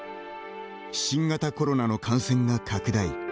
新型コロナの感染が拡大。